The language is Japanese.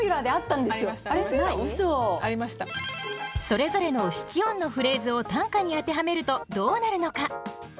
それぞれの七音のフレーズを短歌に当てはめるとどうなるのか。